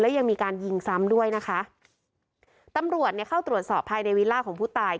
ยังมีการยิงซ้ำด้วยนะคะตำรวจเนี่ยเข้าตรวจสอบภายในวิลล่าของผู้ตาย